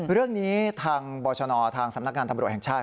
เรื่องนี้ทางบรชนทางสำนักงานตำรวจแห่งชาติ